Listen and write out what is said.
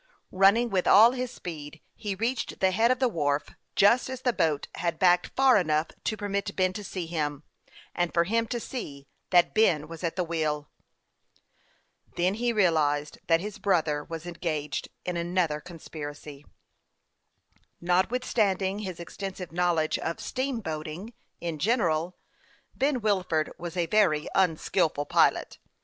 Running with all his speed, he reached the head of the wharf just as the boat had backed far enough to permit Ben to see him, and for him to see that Ben was at the wheel. Then he 286 HASTE AND WASTE, OB realized that his brother was engaged in another conspiracy. Notwithstanding his extensive knowledge of " steamboating " in general, Ben Wilford was a very unskilful pilot.